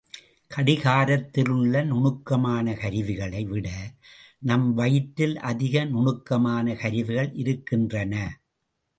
கடிகாரத்திலுள்ள நுணுக்கமான கருவிகளை விட, நம் வயிற்றில் அதிக நுணுக்கமான கருவிகள் இருக்கின்றன.